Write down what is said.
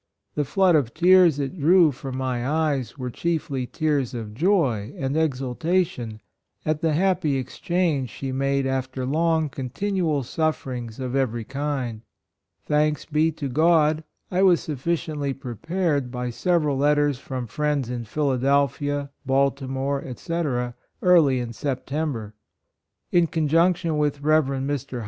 The flood of tears it drew from my eyes were chiefly tears of joy and exul tation at the happy exchange she made after long continual suffer ings of every kind. Thanks be to God, I was sufficiently prepared by 108 DEATH OF HIS MOTHER, several letters from friends in Philadelphia, Baltimore, &c, early in September. In conjunction with Rev. Mr.